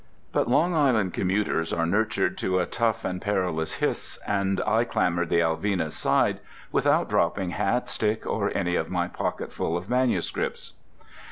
But Long Island commuters are nurtured to a tough and perilous his, and I clambered the Alvina's side without dropping hat, stick, or any of my pocketful of manuscripts.